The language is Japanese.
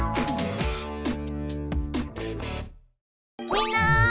みんな！